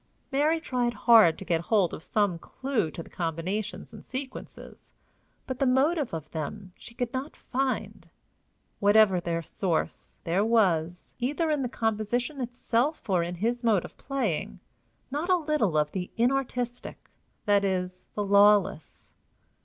Mary tried hard to get hold of some clew to the combinations and sequences, but the motive of them she could not find. Whatever their source, there was, either in the composition itself or in his mode of playing, not a little of the inartistic, that is, the lawless.